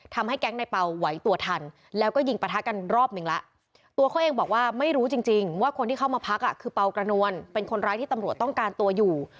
แก๊งในเปล่าไหวตัวทันแล้วก็ยิงประทะกันรอบหนึ่งแล้วตัวเขาเองบอกว่าไม่รู้จริงจริงว่าคนที่เข้ามาพักอ่ะคือเปล่ากระนวลเป็นคนร้ายที่ตำรวจต้องการตัวอยู่